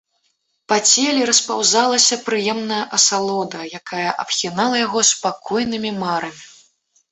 Па целе распаўзалася прыемная асалода, якая абхінала яго спакойнымі марамі.